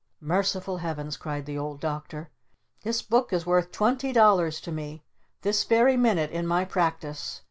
Merciful Heavens!" cried the Old Doctor. "This book is worth twenty dollars to me this very minute in my Practice!